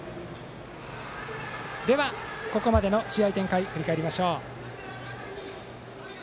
では、ここまでの試合展開を振り返りましょう。